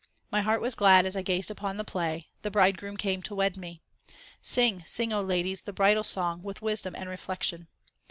My heart was glad as I gazed upon the play ; the Bride groom came to wed me. Sing, sing, O ladies, the bridal song with wisdom and reflection.